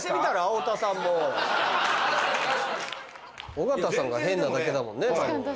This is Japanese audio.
尾形さんが変なだけだもんね。